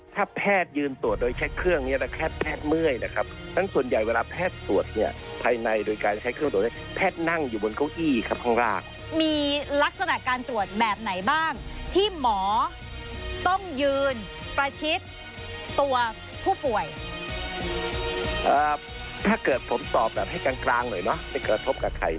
ถ้าเกิดผมตอบแบบให้กลางหน่อยไม่กระทบกับใคร